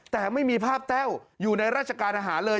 แต่ไม่มีภาพแต้วอยู่ในราชการอาหารเลย